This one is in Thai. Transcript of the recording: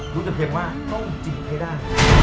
รู้แต่เพียงว่าต้องจีบให้ได้